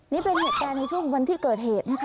นี่เป็นเหตุการณ์ในช่วงวันที่เกิดเหตุนะคะ